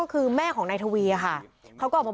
พวกมันต้องกินกันพี่